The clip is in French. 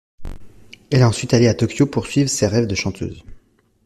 Elle est ensuite allée à Tōkyō poursuivre ses rêves de chanteuse.